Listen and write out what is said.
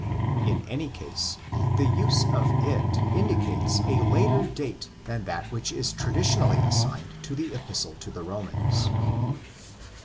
In any case, the use of it indicates a later date than that which is traditionally assigned to the Epistle to the Romans.